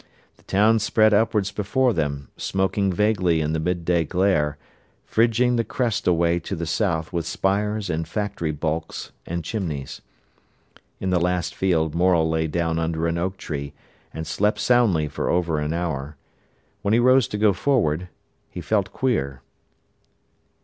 The town spread upwards before them, smoking vaguely in the midday glare, fridging the crest away to the south with spires and factory bulks and chimneys. In the last field Morel lay down under an oak tree and slept soundly for over an hour. When he rose to go forward he felt queer.